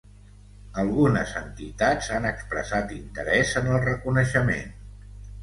Algunes entitats han expressat interès en el reconeixement.